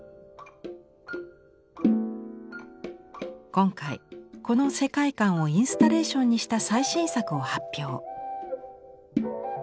今回この世界観をインスタレーションにした最新作を発表。